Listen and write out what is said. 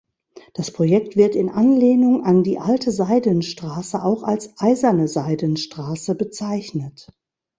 Das Projekt wird in Anlehnung an die alte Seidenstraße auch als Eiserne Seidenstraße bezeichnet.